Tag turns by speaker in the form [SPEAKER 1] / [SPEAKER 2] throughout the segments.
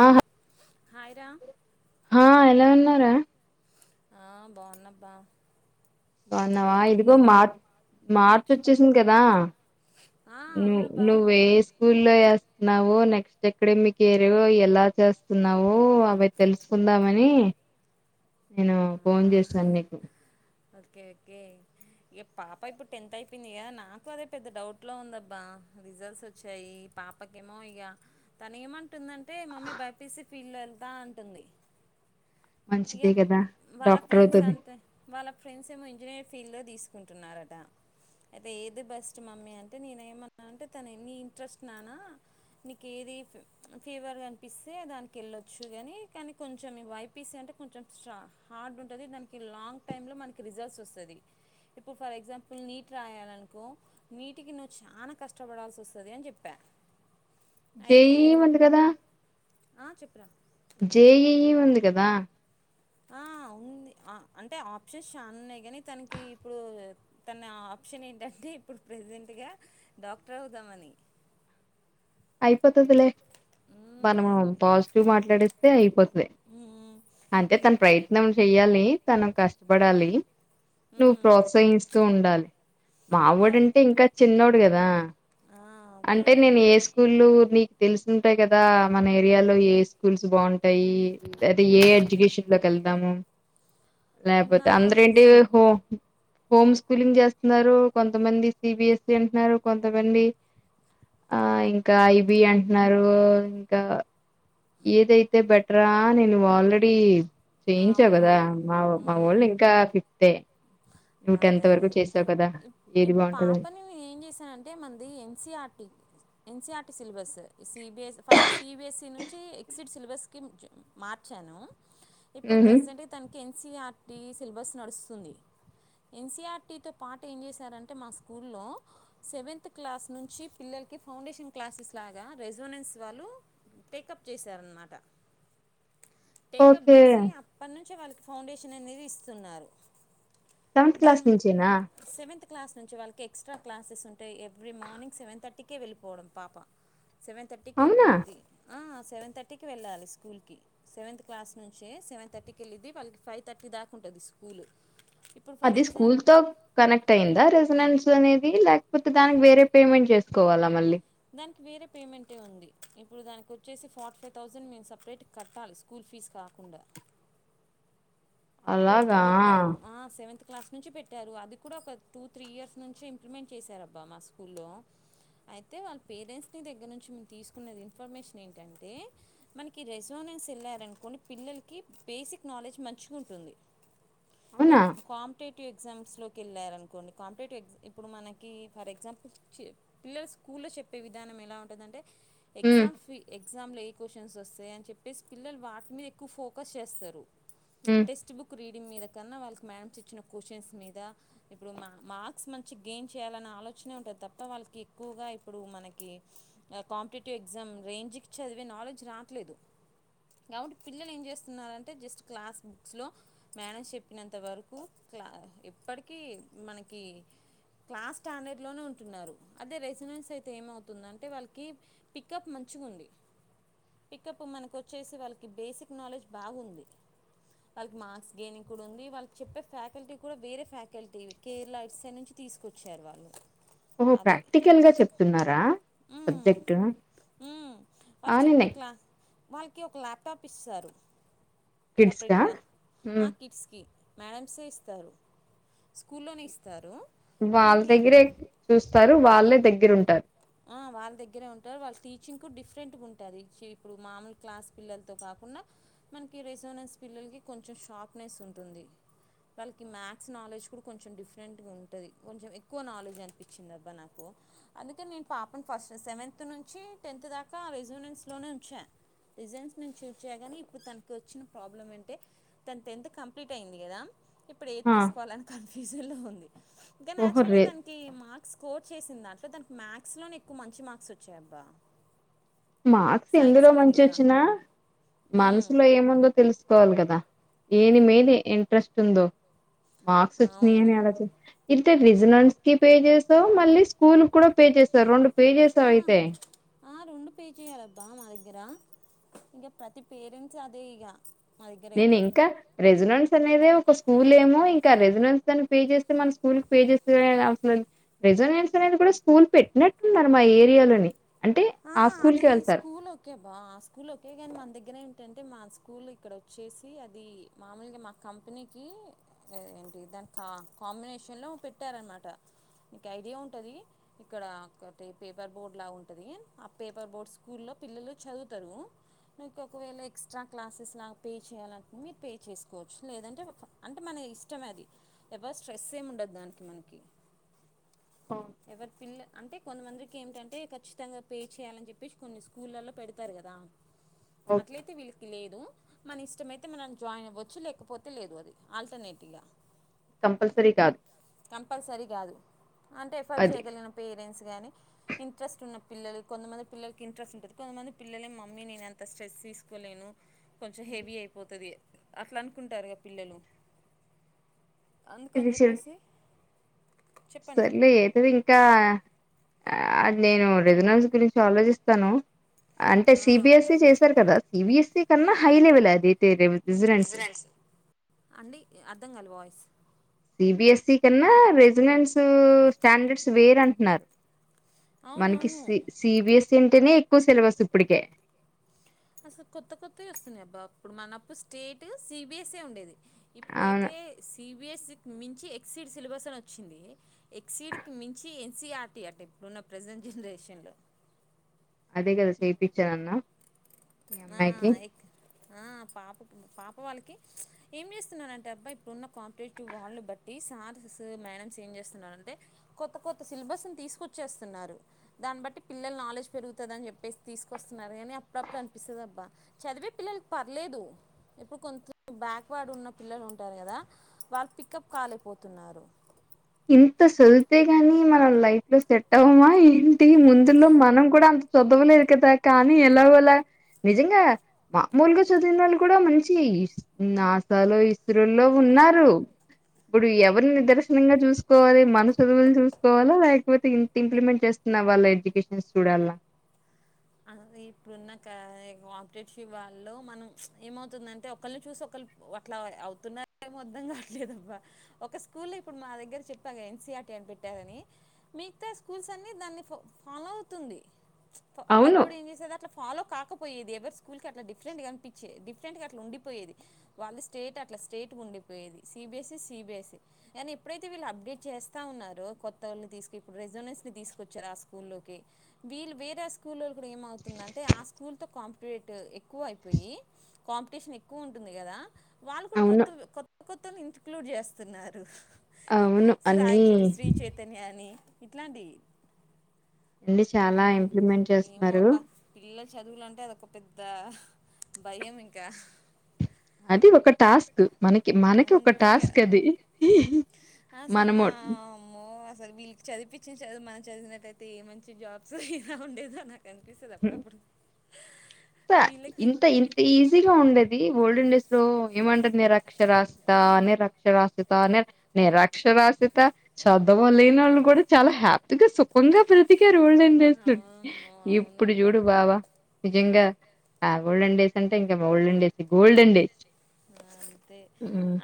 [SPEAKER 1] ఆహ
[SPEAKER 2] హైరా
[SPEAKER 1] హా ఎలా ఉన్నావ్ రా
[SPEAKER 2] ఆ బాగున్నబ్బా
[SPEAKER 1] బాగున్నావా
[SPEAKER 2] ఏం
[SPEAKER 1] ఇదిగో
[SPEAKER 2] లేదు
[SPEAKER 1] మార్
[SPEAKER 2] ఉమ్,
[SPEAKER 1] మార్చ
[SPEAKER 2] చెప్పమ్మ
[SPEAKER 1] వచ్చేసింది కదా
[SPEAKER 2] ఆ
[SPEAKER 1] నువ
[SPEAKER 2] అవునబ్బా
[SPEAKER 1] నువ్వవు ఏ స్కూల్లో వ వు నెక్స్ట్ ఎక్కడ మీకు ఏరుగ ఎలా చేస్తున్నావు అవి తెలుసుకుందామని నేను ఫోన్
[SPEAKER 2] ఆ,
[SPEAKER 1] చేస్తాను నీకు
[SPEAKER 2] ఓకే ఓకే ఇక పాప ఇప్పుడు టెన్త్ అయిపోయింది కదా నాకు అదే పెద్ద డౌట్లో ఉందబ్బా రిజల్ట్స్ వచ్చాయి పాపకేమో ఇక తను ఏమంటుందంటే మమ్మీ బైపీసీ ఫీల్డ్ వెళ్తా అంటుంది ఇక
[SPEAKER 1] మంచిదే కదా
[SPEAKER 2] వాళ్ళ
[SPEAKER 1] డాక్టర్
[SPEAKER 2] ఫ్రెండ్స్
[SPEAKER 1] అవుతది
[SPEAKER 2] అంతే వాళ్ళ ఫ్రెండ్స్ ఏమో ఇంజనీరింగ్ ఫీల్డ్లో తీసుకుంటున్నారట అయితే ఏది బెస్ట్ మమ్మీ అంటే నేనే ఏమన్నా అంటే తను ఎన్నిీ ఇంట్రెస్ట్ నానా నీకు ఏది ఫీవర్గా అనిపిస్తే దానికి వెళ్ళచ్చు కానీ కానీ కొంచెం ఈ వైపీసీ అంటే కొంచెం స్ట్రాంగ్ హార్డ్ ఉంటుంది దానికి లాంగ్ టైమ్ంలో మనకి రిజల్ట్స్ వస్తుంది ఇప్పుడు ఫర్ ఎగ్జాంపుల్ నీట్ రాయాలనుకో నీటికి నువ్వు చాలా కష్టపడాల్సి వస్తుంది అని చెప్పా
[SPEAKER 1] జే
[SPEAKER 2] అయితే
[SPEAKER 1] ఈ ఉంది కదా
[SPEAKER 2] చెప్పురా
[SPEAKER 1] జే ఎ ఈ ఉంది కదా
[SPEAKER 2] ఉంది అంటే ఆప్షన్స్ చా ఉన్నాయి కానీ తనకి ఇప్పుడు తన ఆప్షన్ ఏంటంటే ఇప్పుడు ప్రజెంట్గా డాక్టర్ అవుదామని
[SPEAKER 1] అయిపతాది లే
[SPEAKER 2] మ్మ్,
[SPEAKER 1] మనము
[SPEAKER 2] అయి-
[SPEAKER 1] పాజిటివ్ మాట్లాడిస్తే అయిపోతుది
[SPEAKER 2] మ్మ్,
[SPEAKER 1] అంటే
[SPEAKER 2] ఇక
[SPEAKER 1] తన ప్రయత్నం చెయ్యాలి తనం కష్టపడాలి నువ్వు
[SPEAKER 2] మ్మ్,
[SPEAKER 1] ప్రోత్సహిస్తూ ఉండాలి
[SPEAKER 2] ఇక
[SPEAKER 1] మావడుంటే ఇంకా చిన్నోడు కదా
[SPEAKER 2] ఆ, ఓకే
[SPEAKER 1] అంటే నేను వసు నీకు తెలుసుంటాయి కదా మన ఏరియాలో ఏ స్కూల్స్ బాగుంటా అయి అయితే ఏ
[SPEAKER 2] వెరీ గుడ్
[SPEAKER 1] ఎడ్యుకేషన్ లో కలి దాము లేకపోతే
[SPEAKER 2] నా
[SPEAKER 1] అందరేంటి హ హోమ్ స్కూలింగ్ చేస్తున్నారు కొంతమంది సిబిఎస్సి అంటున్నారు కొంతమంది ఆ ఇంకా కాయిబి అంటున్నారు ఇంకా ఏదైతే బెటరా నేను ఆల్రెడీ చేయించావు కదా
[SPEAKER 2] అవునవును
[SPEAKER 1] మా మా ఒళ్ళు
[SPEAKER 2] మ్మ్.
[SPEAKER 1] ఇంకా ఫిప్తే
[SPEAKER 2] అదే అదే
[SPEAKER 1] ఏది
[SPEAKER 2] మీపు
[SPEAKER 1] బాగుంటదని
[SPEAKER 2] పాపనిే ఏం చేసానంటే మనది NCERT NCERT syllabus CBS first CBSE నుంచి ఎక్సిడ్ సిలబస్కి మార్చాను ఇప్పుడు
[SPEAKER 1] ఊహు
[SPEAKER 2] ప్రెసిెంట్ తననికి ఎన్సిఆర్టి సిలబస్ నడుస్తుంది ఎన్సీఆర్టీతో పాటు ఏం చేశారంటే మా స్కూల్లో సెవెంతత్ క్లాస్ నుంచి పిల్లలకి ఫౌండేషన్ క్లాసెస్ లాగా రెజవనెన్స్ వాళ్ళు టేకప్ చేశారనమాట టేక
[SPEAKER 1] ఓకే
[SPEAKER 2] బేసి అను వచ్చే వాళ్ళకి ఫౌండేషన్ అనేది ఇస్తున్నారు
[SPEAKER 1] సెవెంత్ క్లాస్
[SPEAKER 2] దాని
[SPEAKER 1] నుంచేనా
[SPEAKER 2] సెవెంత్ క్లాస్ నుంచి వాళ్ళకి ఎక్స్ట్రా క్లాసెస్ ఉంటాయి ఎవ్రీ మార్నింగ్ సెవెన్ థర్టీకే వెళ్ళిపోవడం పాప సెవెన్ థర్టీకి
[SPEAKER 1] అవునా
[SPEAKER 2] వెళ్ళిపోయిద్ది ఆ సెవెన్ థర్టీకి వెళ్ళాలి స్కూల్కి సెవెంత్ క్లాస్ నుంచే సెవెన్ థర్టీకి వెళ్ళేది వాళ్ళకి ఫైవ్ థర్టీ దాకా ఉంటుంది స్కూల్ ఇప్పుడు ఫర్
[SPEAKER 1] అది స్కూల్
[SPEAKER 2] ఎగ్జాంపుల్
[SPEAKER 1] తో కనెక్ట్ అయిందా రెసిడెంస్ అనేది లేకపోతే దానికి వేరే పేమెంట్ చేసుకోవాలా మళ్ళీ
[SPEAKER 2] దానికి వేరే పేమెంటే ఉంది ఇప్పుడు దానికి వచ్చేసి ఫార్టీ ఫైవ్ థౌసండ్ మేము సపరేట్ కట్టాలి స్కూల్ ఫీజు కాకుండా అట్లా
[SPEAKER 1] అలాగా
[SPEAKER 2] పెట్టారు ఆ సెవెంత్ క్లాస్ నుంచి పెట్టారు అది కూడా ఒక టూ త్రీ ఇయర్స్ నుంచే ఇంప్లిమెంట్ చేశారబ్బా మా స్కూల్లో అయితే వాళ్ళ పేరెంట్స్ని దగ్గర నుంచి మేము తీసుకున్న ఇన్ఫర్మేషన్ ఏంటంటే మనకి రెజోనెన్స్ వెళ్ళారనుకోంని పిల్లలకి బేసిక్ నాలెడ్జ్ మంచిగా ఉంటుంది
[SPEAKER 1] అవునా
[SPEAKER 2] కాంటీ టివ్ ఎ లోకి వెళ్ళార అనుకోడి కాంపిటేటివ్్ా ఇప్పుడు మనకి ఫర్ ఎగ్జాంపుల్ పిల్లలు స్కూల్లో చెే విధానం ఎలా ఉంటుంద అంటే
[SPEAKER 1] ఉమ్
[SPEAKER 2] ఎగ్జామ్ ఫ ఎగ్జామ్లో ఏ క్వశ్చన్స్ వస్తాయ అని చెప్పేసి పిల్లలు వాటి మీద ఎక్కువ ఫోకస్ చేస్తారు
[SPEAKER 1] ఉమ్
[SPEAKER 2] టెక్స్ట్ బుక్ పీడ మీద కన్నా వాళ్ళకి మ్యాడమ్స్ ఇచ్చిన క్వశ్చన్స్ మీద ఇప్పుడు మా మార్క్స్ మంచి గెయిన్ చేయాలన్న ఆలోచనే ఉంటుంది తప్ప వాళ్ళకి ఎక్కువగా ఇప్పుడు మనకి కాంపిటేటివ్ ఎగ్జామ్ రేంజ్కి చదివే నాలెడ్జ్ రావట్లేదు కాబట్టి పిల్లలు ఏం చేస్తున్నారంటే జస్ట్ క్లాస్ బుక్స్లో మేడం చెప్పినంత వరకు క్లా ఎప్పటికీ మనకి క్లాస్ స్టాండర్డ్లోనే ఉంటున్నారు అదే రెజినెన్స్ అయితే ఏమవుతుందంటే వాళ్ళకి పికప్ మంచిగా ఉంది పికప్ మనకు వచ్చేసి వాళ్ళకి బేసిక్ నాలెడ్జ్ బాగుంది వాళ్ళకి మార్క్స్ దిని కూడా ఉంది వాళ్ళు చెప్పే ఫ్యాకల్టీ కూడా వేరే ఫ్యాకల్టీ కేరళ ఇట్ సైడ్ నుంచి తీసుకొచ్చారు. వాళ్ళు
[SPEAKER 1] ఓహో
[SPEAKER 2] అది
[SPEAKER 1] ప్రాక్టికల్గా చెప్తున్నారా
[SPEAKER 2] మ్మ్.
[SPEAKER 1] సబ్జెక్టు
[SPEAKER 2] మ్మ్.
[SPEAKER 1] ఆ
[SPEAKER 2] వాళ్ళు చెప్పే
[SPEAKER 1] నినే
[SPEAKER 2] క్లా వాళ్ళకి ఒక ల్యాప్టాప్ ఇస్తరు.
[SPEAKER 1] కిడ్స్ కా
[SPEAKER 2] సపరేట్గా ఆ
[SPEAKER 1] ఉమ్
[SPEAKER 2] కిట్స్ కి మేడమ్సే ఇస్తారు స్కూల్లోనే ఇస్తారు.
[SPEAKER 1] వాళ్ళ
[SPEAKER 2] మనకి
[SPEAKER 1] దగ్గరే చూస్తారు వాళ్ళే దగ్ దగ్గర ఉంటారు
[SPEAKER 2] ఆ వాళ్ళ దగ్గరే ఉంటారు. వాళ్ళ టీచింగ్కు కూడా డిఫరెంట్గా ఉంటది. ఇప్పుడు మామూలు క్లాస్ పిల్లలతో కాకుండా మనకి రెసోనెన్స్ పిల్లలకి కొంచెం షార్ప్నెస్ ఉంటుంది. వాళ్ళకి మ్యాథ్స్ నాలెడ్జ్ కూడా కొంచెం డిఫరెంట్గా ఉంటది. కొంచెం ఎక్కువ నాలెడ్జ్ అనిపించింది. అబ్బా నాకు అందుకని నేన్ పాపను ఫస్ట్ సెవెంత్ నుంచి టెన్త్ దాకా రెజూనెన్స్లోనే ఉంచా రెజూనెన్స్ నుంచి ఉంచ గనీ ఇప్పుడు తనకి వచ్చిన ప్రాబ్లం అంటే తను టెన్త్ కంప్లీట్ అయింది. కదా ఇప్పుడు ఏది
[SPEAKER 1] ఆ
[SPEAKER 2] తీసుకోవాలని క ఫిజుల్లో ఉంది. కనీ
[SPEAKER 1] ఓహో
[SPEAKER 2] యాక్చువల్లీ
[SPEAKER 1] రే
[SPEAKER 2] తనికి మార్క్స్ కో చేసిందాట్లో తనక్ మ్యాక్ మాథ్స్లో నే ఎక్కువ మంచి మార్క్స్ వచ్చాయబ్బా
[SPEAKER 1] మార్క్స్ ఎందులో మంచి వచ్చినా
[SPEAKER 2] మ్మ్.
[SPEAKER 1] మనసులో ఏముందో తెలుసుకోవాలి కదా ఏని మిద ఇంట్రెస్ట్ ఉందో మార్క్స్
[SPEAKER 2] అవును
[SPEAKER 1] వచ్చినాయని అలా చె అయితే రిజినల్స్ కి పే చేస్తవ్ మళ్ళీ స్కూల్ కి కూడా పే చేస్తవ్ రెండు పే చేస్తవ్
[SPEAKER 2] ఆ,
[SPEAKER 1] అయితే
[SPEAKER 2] ఆ రెండు పే చేయాలబ్బా మా దగ్గర ఇంక ప్రతి పేరెంట్స్ అదే ఇగా
[SPEAKER 1] నేను ఇంక రెజనెట్స్ అనేది ఒక స్కూల్ ఏమో ఇంకా రెజడెన్స్ అని పే చేస్తే మన స్కూల్ కి పే చేస్తే [inaudible] రెజడెన్స్ అనేది కూడా స్కూల్ పెట్టినట్టున్నారు. మా ఏరియాలోని అంటే ఆ స్కూల్ కె
[SPEAKER 2] అది
[SPEAKER 1] వెళతారు
[SPEAKER 2] స్కూల్ ఓకే ఆ స్కూల్ ఓకే కానీ మన దగ్గర ఏంటంటే మా స్కూల్ ఇక్కడ వచ్చేసి అది మామూలుగా మా కంపెనీకి ఏంటి దాని కా కాంబినేషన్లో పెట్టారనమాట నీకు ఐడియా ఉంటది. ఇక్కడ ఒక పేపర్ బోర్డ్లా ఉంటది. ఆ పేపర్ బోర్డ్ స్కూల్లో పిల్లలు చదువుతరు. నీకు ఒకవేళ ఎక్స్ట్రా క్లాసెస్లా పే చేయాలంట మీరు పే చేసుకోవచ్చు. లేదంటే అంటే మన ఇష్టమే అది ఎవరు స్ట్రెస్ ఏమి ఉండదు. దానికి మనకి ఎవరి పిల్ల అంటే కొంతమందికి ఏంటంటే ఖచ్చితంగా పే చేయాలని చెప్పేసి కొన్ని స్కూళ్ళల్లో పెడతారు. కదా
[SPEAKER 1] ఓకే
[SPEAKER 2] అట్లయితే విలు లేదు మన ఇష్టమయితే మనం జాయిన్ అవ్వచ్చు లేకపోతే లేదు అది ఆల్టర్నేట్ ఇగా
[SPEAKER 1] కంపల్సరీ కాదు
[SPEAKER 2] కంపల్సరీ కాదు అంటే ఎఫర్ట్
[SPEAKER 1] అది
[SPEAKER 2] చేయ్యగలిగిన పేరెంట్స్ గాని ఇంట్రెస్ట్ ఉన్న పిల్లలు కొంతమంది పిల్లలకి ఇంట్రెస్ట్ ఉంటది. కొంతమంది పిల్లలే మమ్మీ నేను ఎంత స్ట్రెస్ తీసుకోలేను. కొంచం హెవి అయిపోతది. అట్లా అనుకుంటారుగా పిల్లలు అందుకని
[SPEAKER 1] ఇది.
[SPEAKER 2] చెప్పేసి చెప్పండి
[SPEAKER 1] సర్లే ఏంటిది ఇంకా అది నేను రెజనాన్స్ గురించి ఆలోచిస్తాను అంటే సిబిఎస్సి చేశారు కదా సిబిఎస్సి కన్నా హై లెవెల్ అది తేర్
[SPEAKER 2] అండి అర్థం కాల వాయిస్
[SPEAKER 1] సిబిఎస్సి కన్నా రెజినెంట్స్ స్టాండర్డ్స్ వేర అంటున్నారు మనకి
[SPEAKER 2] అవునవును
[SPEAKER 1] సి సిబిఎస్సి అంటేనే క్కువ సిెల బస్ ఇప్పటికే
[SPEAKER 2] అసలు కొత్త కొత్తవి వస్తున్నాయి అబ్బా ఇప్పుడు మనప్పుడు స్టేట్ సిబిఎస్ఏ ఉండేది
[SPEAKER 1] అవును
[SPEAKER 2] ఇప్పుడుైతే సి యబిఎస్సికి మించి ఎక్సిీడ్ సిలబస్ అని వచ్చింది ఎక్సడ్కి మించి ఎన్సీఆర్టీ అట్ట ఇప్పుడున్న ప్రజెంట్ జనరేషన్లో
[SPEAKER 1] అదే కదా చెప్పించననవ్
[SPEAKER 2] ఆ ఏ ఆ పాప పాప వాళ్ళకి ఏం చేస్తున్నంటే అబ్బా ఇప్పుడున్న కాంపిటేటివ్ వాళ్ బట్టి సార్స్ మేడమ్స్ ఏం చేస్తున్నారుంటే కొత్త కొత్త సిలబస్ని తీసుకొచ్చేస్తున్నారు దాన్ని బట్టి పిల్లలు నాలెడ్జ్ పెరుగుతుంది అని చెప్పేసి తీసుకొస్తున్నారు కాని అప్పుడప్పుడు అ నీపిస్తుందిబ్బా చదివే పిల్లకి పర్లేదు ఎప్పుడు కొంచె బ్యాక్వర్డ్ ఉన్న పిల్లలు ఉంటారు కదా వాళ్ళు పిికప్ కాలైపోతున్నారు
[SPEAKER 1] ఇంత చదివితే గాని మన లైఫ్ లో సెట్ అవమా ఎ ఏంటి ముందులో మనం కూడా అంత చదవ లేదు కదా కానీ ఎలా వలా నిజంగా మామూలుగా చదివిన ఓళ్ళు కూడా మంచి నాసాలో ఇస్రోల్లో ఉన్నారు ఇప్పుడు ఎవరి నిదర్శనంగా చూసి చూసుకోవాలి మన చదువులు చూసుకోవాలా లేకపోతే ఇ ఇంప్లిమెంట్ చేస్తున్న వాళ్ళ ఎడ్యుకేషన్స్ చూడలా
[SPEAKER 2] ఆ ఇప్పుడున్న పరేటివ్ వాళ్ళ మనం ఏమవుతుందంటే ఒకళ్ళని చూసి ఒకరుు అట్లా అవుతున్నారేమోద్దం కావట్లేదుబ్బ ఒక స్కూల్ ఇప్పుడు మా దగ్గర చెప్పాగా ఎన్సిఆర్టీ అని పెట్టారని మిగతా స్కూల్స్ అన్ని దాన్ని ఫాలో అవుతుంది
[SPEAKER 1] అవును
[SPEAKER 2] ఒకప్పుడు ఏం అట్లా ఫాలో కాకపోయేది ఎవరి స్కూల్ కి అట్లా డిఫరెంట్ గా కనిపించేది డిఫరెంట్ గట్ల ఉండిపోయేది వాళ్ళ స్టేట్ అట్లా స్టేట్ ఉండిపోయేది సిబీఎస్ సిబిఎస్ కానీ ఎప్పుడైతే వీళ్ళు అప్డేట్ చేస్తా ఉన్నారో కొత్త ఓళ్ళని తీసుకు ఇప్పుడు రెసోనెంటస్ నీ తీసుకొచ్చారు ఆ స్కూల్లోకి వీళ్ళు వేరే స్కూల్లో ఇ ఏమవుతుందింటే ఆ స్కూల్ త కాంపిేట్ ఎక్కువ అయిపోయి కాంపిటీషన్ ఎక్కువ ఉంటుంది కదా వాళ్ళు కూడా
[SPEAKER 1] అవును
[SPEAKER 2] కొత్త కొత్త కొత్త ఇంటక్లూడ్ చేస్తున్నారు
[SPEAKER 1] అవును అన్నీ
[SPEAKER 2] సాయి శ్రీ చైతన్యా అని ఇట్లాంటి
[SPEAKER 1] అండి చాలా ఇంప్లిమెంట్ చేస్
[SPEAKER 2] ఏమో అబ్బా పిల్లలు చదువులు అంటే అదొక పెద్ద అంత భయం ఇంకా
[SPEAKER 1] అది ఒక టాస్క్ మనకి మనకి ఒక
[SPEAKER 2] అంతే ఇక
[SPEAKER 1] టాస్క్ అది
[SPEAKER 2] అసలు మా
[SPEAKER 1] మనము
[SPEAKER 2] అమ్మో అసలు వీళ్ళకి చదిపించిన చదువు మనం చదివినట్లయితే ఏ మంచి జాబ్స్ ఇలా ఉండేద అ నొప్పి ఎస్తాది అప్పుడు అప్పుడు
[SPEAKER 1] స ఇంత ఇంత ఈజీగా ఉండది ఓల్డెన్ డేస్ లో ఏమంటారు నిరక్షరాసియత అ నిరక్షరాసియత అ నిరక్షరాసియత చద్దవ లేని వాళ్ళు కూడా చాలా హ్యాపీగా సుఖంగా బ్రతి రు ఓల్డెన్ డేస్ లో
[SPEAKER 2] అవును
[SPEAKER 1] ఇప్పుడు
[SPEAKER 2] అవునబ్బా
[SPEAKER 1] చూడు బావా నిజంగా ఆ ఓల్డన్ డేస్ అంటే ఇంకా ోల్డన్ డేస్ గోల్డెన్ డేస్
[SPEAKER 2] అంతే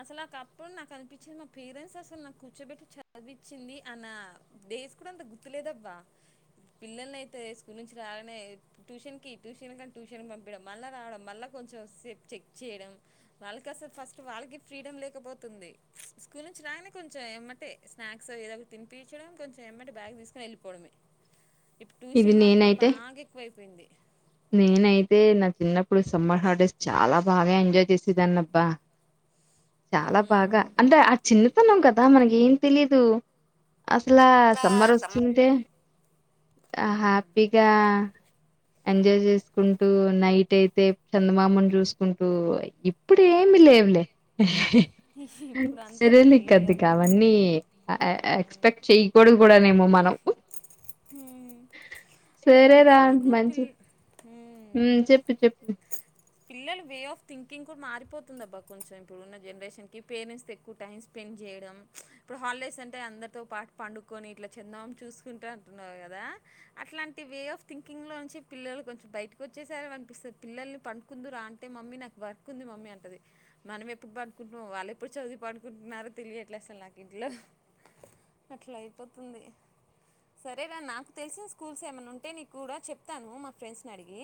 [SPEAKER 2] అసలు కప్పుడు నా కనిపించింది మా పేరెంట్స్ అసలు నాకు కూర్చోబెట్టి చదివించింది అన్న డేస్ కూడా అంత గుర్తులేదబ్బ పిల్లల్ని అయితే స్కూల్ నుంచి రాలనే ట్యూషన్ కి ట్యూషన్ కానీ ట్యూషన్ పంపడం మళ్ళీ రావడం మళ్ళ కొంచెం సేపు చెక్ చేయడం వాళ్ళకి అసలు ఫస్ట్ వాళ్ళకి ఫ్రీడమ్ లేకపోతుంది స్కూల్ నుంచి రాగానే కొంచెం ఏమ్మంటే స్నాక్స్ ఏదో ఒక తినిపించడం కొంచెం ఏమ్మంటే బ్యాగ్ తీసుకొని వెళ్ళిపోవడమే ఇప్పుడు
[SPEAKER 1] ఇది
[SPEAKER 2] ట్యూషన్ వాళ్ళు కూడా
[SPEAKER 1] నేనైతే
[SPEAKER 2] బాగా ఎక్కువ అయిపోయింది
[SPEAKER 1] నేనైతే నా చిన్నప్పుడు సమ్మర్ హాలిడేస్ చాలా బాగా ఎంజాయ్ చేసేదాన్నబ్బా చాలా బాగా
[SPEAKER 2] ఉమ్.
[SPEAKER 1] అంటే ఆ చిన్నతనం కదా మనకి ఏం తెలీదు అసలు సమ్మర్ వచ్చింది హ్యాపీగా ఎంజాయ్ చేసుకుంటూ నైట్ అయితే చందమామని చూసుకుంటూ ఇప్పుడు ఏమి లేవులే
[SPEAKER 2] ఇప్పుడు అంతా
[SPEAKER 1] సరేలి కద్ది కా
[SPEAKER 2] పిల్లలంతా
[SPEAKER 1] అవన్నీ ఆ ఆ ఎక్స్పెక్ట్ చేయ్ గొడుగు కూడానేమో మనం సరేరా మంచి
[SPEAKER 2] ఉ
[SPEAKER 1] ఉ చెప్పు చెప్పు
[SPEAKER 2] పిల్లలు వే ఆఫ్ థింకింగ్ కూడా మారిపోతుంది అబ్బా కొంచెం ఇప్పుడు ఉన్న జనరేషన్ కి పేరెంట్స్ త ఎక్కువ టైం స్పెండ్ చేయడం ఇప్పుడు హాలిడేస్ అంటే అందరితో పాటు పండుకొని ఇట్లా చిందామం చూసుకుంటే అంటున్నారు కదా అట్లాంటి వే ఆఫ్ థింకింగ్లో నుంచి పిల్లలు కొంచెం బయటకు వచ్చేసారు అనిపిస్తుంది పిల్లల్ని పండుకుందు రా అంటే మమ్మీ నాకు వర్క్ ఉంది మమ్మీ అంటది మనం ఎప్పుడు పండుకుంటున్నాం వాళ్ళు ఎప్పుడు చదివి పండుకుంటున్నారో తెలియ ఎట్లే అసలు నాకు ఇంట్లో అట్లా అయిపోతుంది సరేరా నాకు తెలిసిన స్కూల్స్ ఏమైన్నా ఉంటే నీకు కూడా చెప్తాను మా ఫ్రెండ్స్ని అడిగి